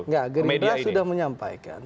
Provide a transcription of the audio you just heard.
enggak gerindra sudah menyampaikan